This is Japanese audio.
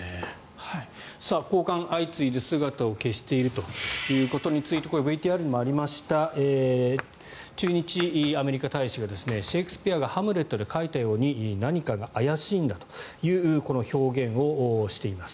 高官が相次いで姿を消していることについてこれはＶＴＲにもありましたが駐日アメリカ大使がシェイクスピアが「ハムレット」で書いたように何かが怪しいんだという表現をしています。